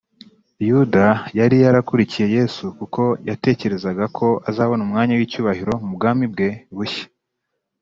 yuda yari yarakurikiye yesu kuko yatekerezaga ko azabona umwanya w’icyubahiro mu bwami bwe bushya